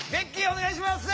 お願いします。